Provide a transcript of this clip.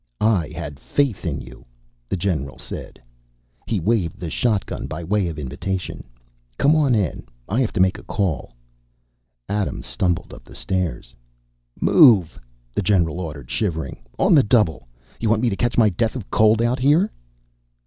"I had faith in you," the general said. He waved the shotgun by way of invitation. "Come on in. I have a call to make." Adams stumbled up the stairs. "Move!" the general ordered, shivering. "On the double! You want me to catch my death of cold out here?"